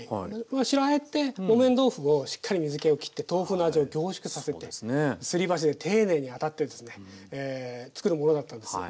白あえって木綿豆腐をしっかり水けをきって豆腐の味を凝縮させてすり鉢で丁寧に当たってですねつくるものだったんですよ。